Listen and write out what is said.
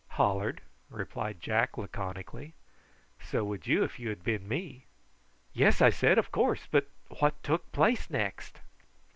"Hollered!" replied Jack laconically. "So would you if you had been me." "Yes," I said, "of course; but what took place next?"